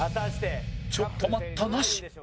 「ちょっと待った」なし